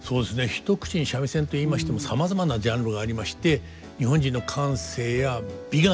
一口に三味線と言いましてもさまざまなジャンルがありまして発展してるんだ。